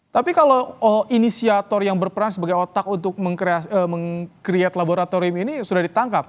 tapi kalau inisiator yang berperan sebagai otak untuk meng create laboratorium ini sudah ditangkap